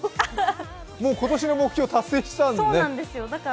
もう今年の目標達成したんだね。